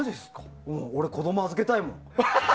俺、子供預けたいもん。